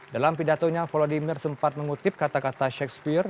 dalam pidatonya volodymyr sempat mengutip kata kata shakespear